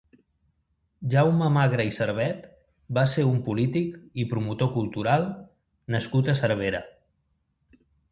Jaume Magre i Servet va ser un polític i promotor cultural nascut a Cervera.